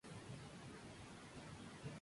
Hay dos tipos de subasta: diaria y trimestral.